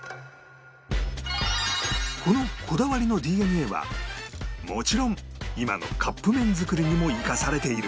このこだわりの ＤＮＡ はもちろん今のカップ麺作りにも生かされている